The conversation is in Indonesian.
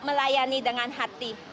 melayani dengan hati